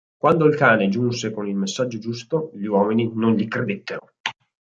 Quando il cane giunse con il messaggio giusto, gli uomini non gli credettero.